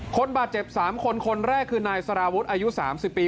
คนบาดเจ็บ๓คนคนแรกคือนายสารวุฒิอายุ๓๐ปี